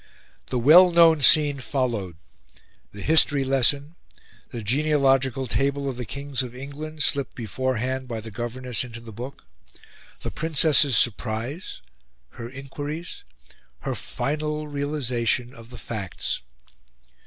The well known scene followed: the history lesson, the genealogical table of the Kings of England slipped beforehand by the governess into the book, the Princess's surprise, her inquiries, her final realisation of the facts.